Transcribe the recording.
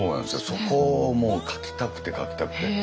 そこをもう描きたくて描きたくて。